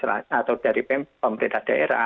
atau dari pemerintah daerah